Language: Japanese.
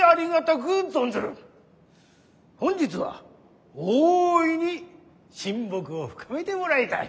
本日は大いに親睦を深めてもらいたい。